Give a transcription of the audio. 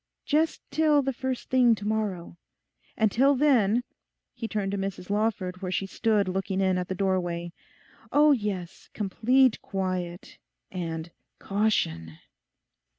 Just till the first thing to morrow. And till then,' he turned to Mrs Lawford, where she stood looking in at the doorway, 'oh yes, complete quiet; and caution!